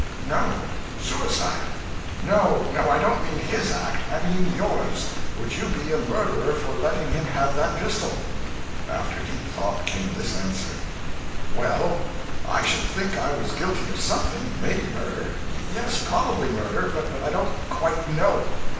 'No suicide.' 'No, no. I don't mean _his _act, I mean yours: would you be a murderer for letting him have that pistol?' After deep thought came this answer 'Well, I should think I was guilty of something maybe murder yes, probably murder, but I don't quite know.'